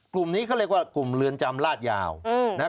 กลุ่มนี้เขาเรียกว่ากลุ่มเรือนจำลาดยาวนะครับ